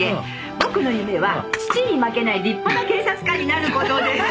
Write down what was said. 「僕の夢は父に負けない立派な警察官になる事です」